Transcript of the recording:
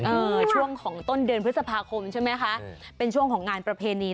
ช่วงของต้นเดือนพฤษภาคมใช่ไหมคะเป็นช่วงของงานประเพณี